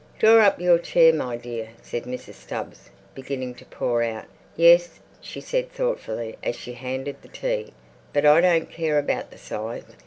"Draw up your chair, my dear," said Mrs. Stubbs, beginning to pour out. "Yes," she said thoughtfully, as she handed the tea, "but I don't care about the size.